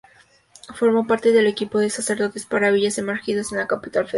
Formó parte del "Equipo de sacerdotes para Villas de emergencia de la Capital Federal".